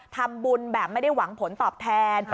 ทำบุญแบบไม่ได้หวังผลตอบแทน